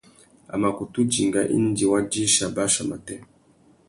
A mà kutu dinga indi wa dïchî abachia matê.